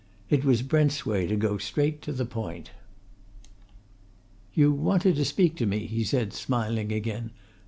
It was Brent's way to go straight to the point. "You wanted to speak to me," he said, smiling again.